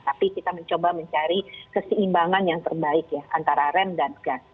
tapi kita mencoba mencari keseimbangan yang terbaik ya antara rem dan gas